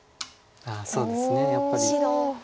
そうですねやっぱり。